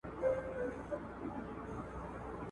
شاعره ستا تر غوږ مي چیغي رسولای نه سم ..